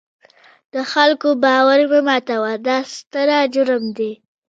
د خلکو باور مه ماتوئ، دا ستر جرم دی.